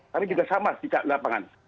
tapi juga sama di lapangan